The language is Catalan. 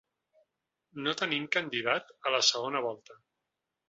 No tenim candidat a la segona volta.